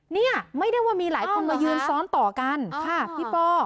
เนี่ยไม่ได้ว่ามีหลายคนมายืนซ้อนต่อกันค่ะพี่ป้อ